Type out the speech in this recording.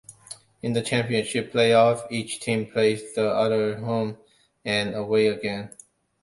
In the championship playoff, each team plays the others home and away again.